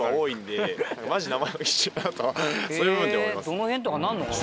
へえどの辺？とかなんのかな。